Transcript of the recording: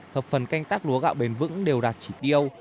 hợp phần canh tác lúa gạo bền vững đều đạt chỉ tiêu